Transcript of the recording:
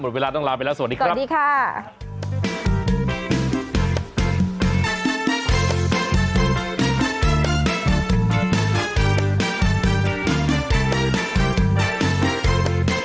หมดเวลาต้องลาไปแล้วสวัสดีครับ